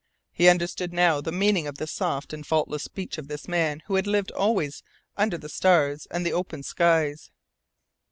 He understood now the meaning of the soft and faultless speech of this man who had lived always under the stars and the open skies.